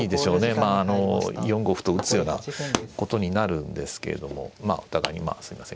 まあ４五歩と打つようなことになるんですけれどもまあお互いにすいません